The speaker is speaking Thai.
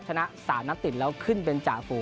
ชนะ๓นัดติดแล้วขึ้นเป็นจ่าฝู